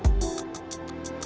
karena ga tetep